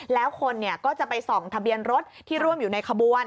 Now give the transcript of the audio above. แล้วคนก็จะไปส่องทะเบียนรถที่ร่วมอยู่ในขบวน